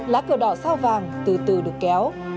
lá cờ đỏ sao vàng từ từ được kéo